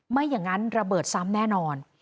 ไม่อย่างนั้นระเบิดซ้ำแน่นอน